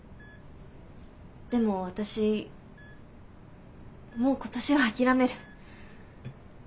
でも私もう今年は諦める。